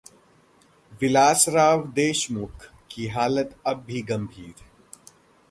विलासराव देशमुख की हालत अब भी गम्भीर